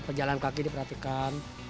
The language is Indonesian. pejalan kaki diperhatikan